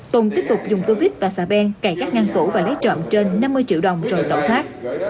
tùng tiếp tục dùng tư viết và xà ben cày các ngăn tủ và lấy trộm trên năm mươi triệu đồng rồi tẩu thoát